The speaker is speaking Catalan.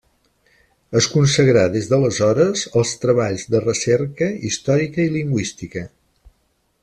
Es consagrà des d'aleshores als treballs de recerca històrica i lingüística.